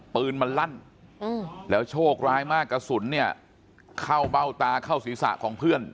ปืนมันลั่นแล้วโชคร้ายมากกระสุนเนี่ยเข้าเบ้าตาเข้าศีรษะของเพื่อน